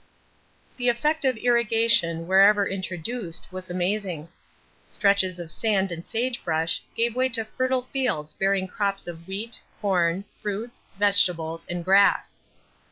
The effect of irrigation wherever introduced was amazing. Stretches of sand and sagebrush gave way to fertile fields bearing crops of wheat, corn, fruits, vegetables, and grass.